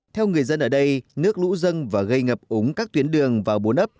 theo người dân ở đây nước lũ dân và gây ngập ống các tuyến đường vào bốn ấp